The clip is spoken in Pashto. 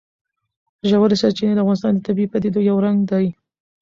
ژورې سرچینې د افغانستان د طبیعي پدیدو یو رنګ دی.